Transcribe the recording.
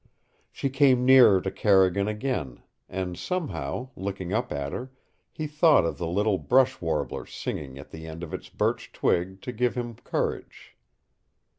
She came nearer to Carrigan again, and somehow, looking up at her, he thought of the little brush warbler singing at the end of its birch twig to give him courage.